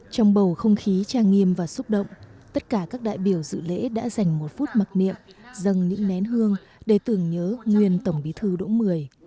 trong bầu không khí trang nghiêm và xúc động tất cả các đại biểu dự lễ đã dành một phút mặc niệm dâng những nén hương để tưởng nhớ nguyên tổng bí thư đỗ mười